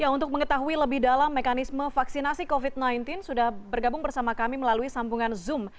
untuk mengetahui lebih dalam mekanisme vaksinasi covid sembilan belas sudah bergabung bersama kami melalui sambungan zoom